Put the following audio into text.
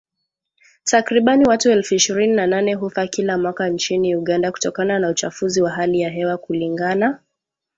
Takriban watu elfu ishirini na nane hufa kila mwaka nchini Uganda kutokana na uchafuzi wa hali ya hewa kulingana